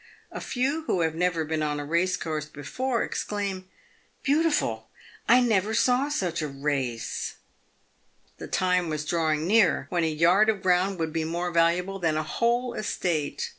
A few who have never been on a course before, exclaim, " Beautiful ! I never saw such a race." The time was drawing near when a yard of ground would be more valuable than a whole estate.